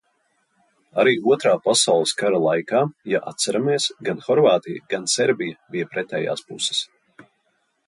Arī Otrā pasaules kara laikā, ja atceramies, gan Horvātija gan Serbija bija pretējās puses.